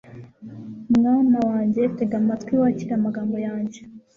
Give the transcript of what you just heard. mwana wanjye, tega amatwi, wakire amagambo yanjye